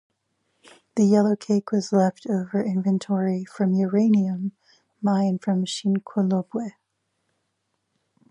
The yellowcake was left over inventory from uranium mined from Shinkolobwe.